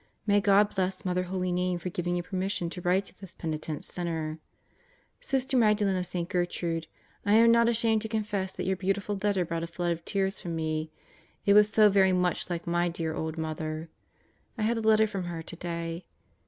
May God bless Mother Holy Name for giving you permission to write to this penitent sinner* Sister Magdalen of St. Gertrude, I am not ashamed to confess that your beautiful letter brought a flood of tears from me. It was so very much like my dear old Mother! I had a letter from her today.